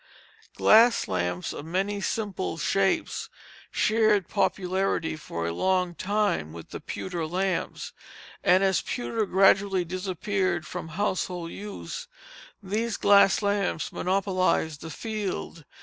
Glass lamps of many simple shapes shared popularity for a long time with the pewter lamps; and as pewter gradually disappeared from household use, these glass lamps monopolized the field.